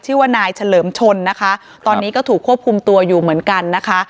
ชื่อว่านายเฉลิมชนนะคะตอนนี้ก็ถูกควบคุมตัวอยู่เหมือนกันนะคะ